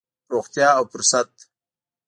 روغتيا او فرصت.